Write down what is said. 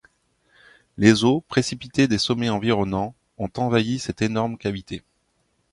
Les eaux, précipitées des sommets environnants, ont envahi cette énorme cavité.